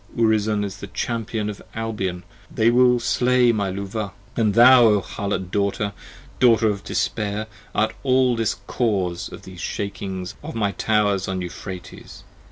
Urizen is the champion of Albion, they will slay my Luvah: And thou, O harlot daughter, daughter of despair, art all This cause of these shakings of my towers on Euphrates.